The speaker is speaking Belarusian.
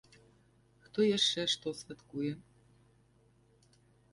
Хто яшчэ што святкуе?